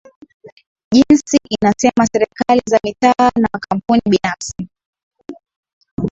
jinsi inasema serikali za mitaa na makampuni binafsi